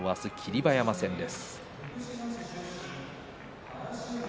馬山戦です。